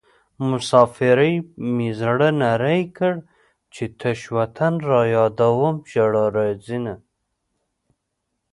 مسافرۍ مې زړه نری کړ چې تش وطن رايادوم ژړا راځينه